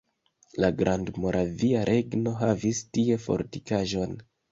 La Grandmoravia Regno havis tie fortikaĵon.